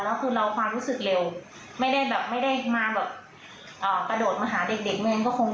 แล้วคือเราความรู้สึกเร็วไม่ได้แบบไม่ได้มาแบบ